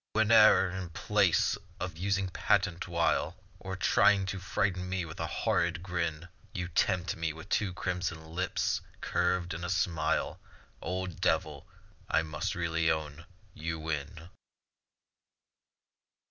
Whene'er in place of using patent wile, Or trying to frighten me with horrid grin, You tempt me with two crimson lips curved in a smile; Old Devil, I must really own, you win.